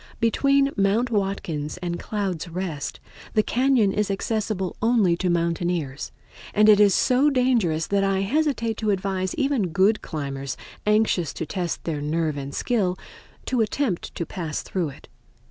Between Mount Watkins and Clouds' Rest the cañon is accessible only to mountaineers, and it is so dangerous that I hesitate to advise even good climbers, anxious to test their nerve and skill, to attempt to pass through it.